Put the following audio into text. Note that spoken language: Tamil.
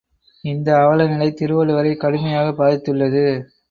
இந்த அவல நிலை திருவள்ளுவரைக் கடுமையாகப் பாதித்துள்ளது.